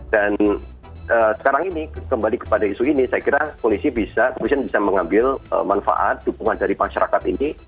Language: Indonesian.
dan sekarang ini kembali kepada isu ini saya kira polisi bisa polisian bisa mengambil manfaat dukungan dari masyarakat ini